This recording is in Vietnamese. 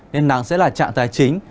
nên nắng sẽ là trạng tài chính